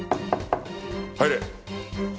入れ。